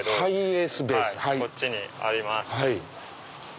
こっちにあります。